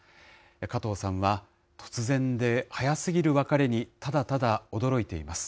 加藤さんは、突然で早すぎる別れに、ただただ驚いています。